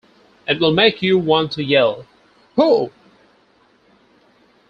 It'll make you want to yell 'Woooh!